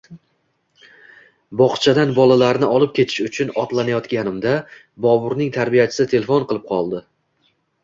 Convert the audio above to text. Bog`chadan bolalarni olib kelish uchun otlanayotganimda Boburning tarbiyachisi telefon qilib qoldi